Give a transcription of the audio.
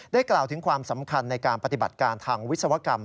กล่าวถึงความสำคัญในการปฏิบัติการทางวิศวกรรม